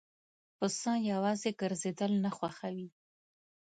پسه یواځی ګرځېدل نه خوښوي.